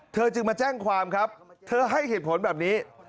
จึงมาแจ้งความครับเธอให้เหตุผลแบบนี้